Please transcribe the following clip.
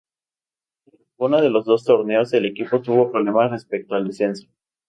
En ninguno de los dos torneos, el equipo tuvo problemas respecto al descenso.